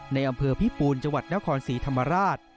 ในอำเภอพิปูนจังหวัดนครศรีธรรมราช